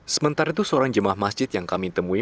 sementara itu seorang jemaah masjid yang kami temui